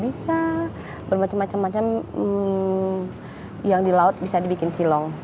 bisa bermacam macam macam yang di laut bisa dibikin cilong